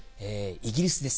イギリスです。